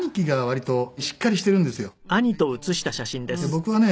僕はね